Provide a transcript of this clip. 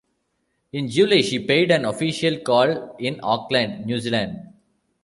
In July she paid an official call in Auckland, New Zealand.